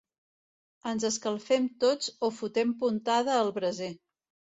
Ens escalfem tots o fotem puntada al braser.